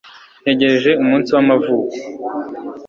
ntegereje umunsi w'amavuko